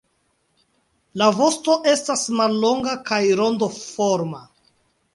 La vosto estas mallonga kaj rondoforma.